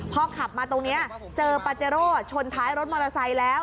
พอขับมาตรงนี้เจอปาเจโร่ชนท้ายรถมอเตอร์ไซค์แล้ว